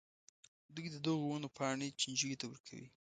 دوی د دغو ونو پاڼې چینجیو ته ورکوي.